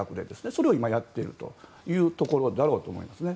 それを今やっているというところだろうと思います。